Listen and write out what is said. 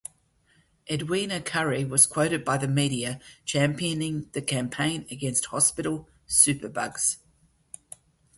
Edwina Currie was quoted by the media championing the campaign against hospital superbugs.